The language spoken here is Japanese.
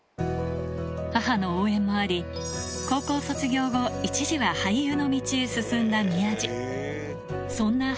母の応援もあり、高校卒業後、一時は俳優の道へ進んだ宮治。